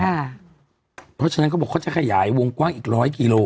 เพราะฉะนั้นเขาบอกเขาจะขยายวงกว้างอีกร้อยกิโล